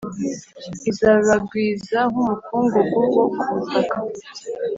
izabagwiza nk’umukungugu wo ku butaka,